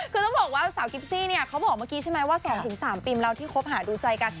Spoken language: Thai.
คือต้องบอกว่าสาวกิฟซี่เนี่ยเขาบอกเมื่อกี้ใช่ไหมว่า๒๓ปีแล้วที่คบหาดูใจกัน